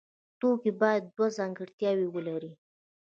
توکی باید دوه ځانګړتیاوې ولري.